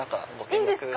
いいんですか！